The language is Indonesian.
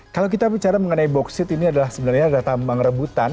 kalau kita bicara mengenai boksit ini adalah sebenarnya ada tambang rebutan